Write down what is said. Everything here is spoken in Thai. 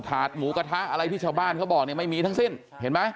ถาดหมูกระทะอะไรที่ชาวบ้านเขาบอกเนี่ยไม่มีทั้งสิ้นเห็นไหม